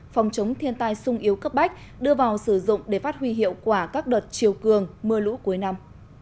phòng chống thiên tai sung yếu cấp bách đưa vào sử dụng để phát huy hiệu quả các đợt chiều cường mưa lũ cuối năm